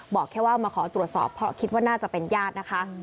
บอกแค่ว่ามาขอตรวจสอบเพราะคิดว่าน่าจะเป็นญาตินะคะ